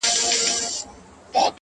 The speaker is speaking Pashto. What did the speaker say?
هېره مي يې،